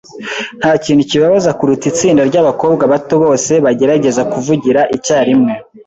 Ntakintu kibabaza kuruta itsinda ryabakobwa bato bose bagerageza kuvugira icyarimwe